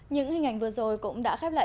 những hình ảnh vừa rồi cũng đã khép lại